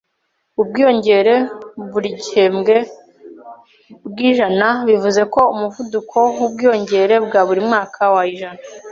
Ubwiyongere buri gihembwe bwa ,% bivuze ko umuvuduko wubwiyongere bwa buri mwaka wa .%.